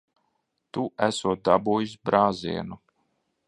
Tu esot dabūjis brāzienu.